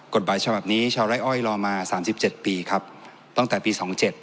กฎหมายฉบับนี้ชาวไร้อ้อยรอมา๓๗ปีครับตั้งแต่ปี๒๗